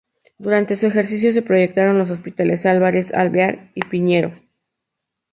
Durante su ejercicio se proyectaron los hospitales Álvarez, Alvear y Piñeiro.